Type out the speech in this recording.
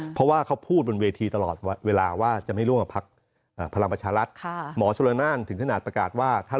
เพราะว่าเขาพูดบนเวทีตลอดเวลาว่าจะไม่ร่วมกับทักษ